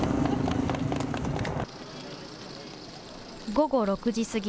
午後６時過ぎ。